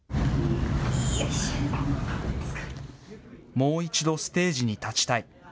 もう一度ステージに立ちたい。